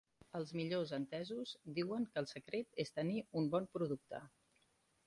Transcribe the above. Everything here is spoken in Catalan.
Els millors entesos diuen que el secret és tenir un bon producte.